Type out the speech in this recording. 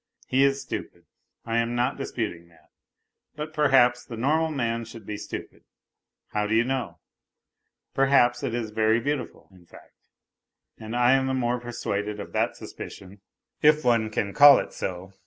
He is stupid. I am not disputing that, but perhaps the normal man should be stupid, how do you know ? Perhaps it is very beautiful, in fact. And I am the more persuaded of that suspicion, if one can call it so.